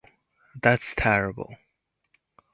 That's terrible!